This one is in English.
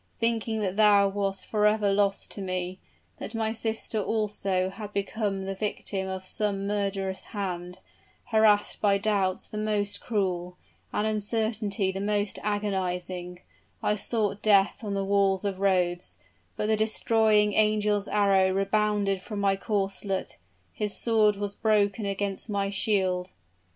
Thinking that thou wast forever lost to me that my sister also had become the victim of some murderous hand, harassed by doubts the most cruel an uncertainty the most agonizing, I sought death on the walls of Rhodes; but the destroying angel's arrow rebounded from my corselet his sword was broken against my shield!